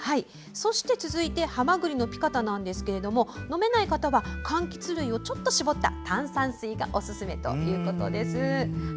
そして、続いて「はまぐりのピカタ」ですが飲めない方はかんきつ類をちょっと絞った炭酸水がおすすめということです。